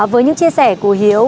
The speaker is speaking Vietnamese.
với những chia sẻ của hiếu